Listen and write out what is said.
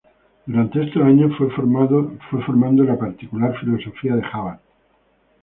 Durante estos años fue formando la particular filosofía de Jabad.